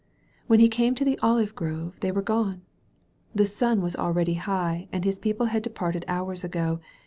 When he came to the olive grove th^ were gone ! The sun was already hi^, and his people had de parted hours ago.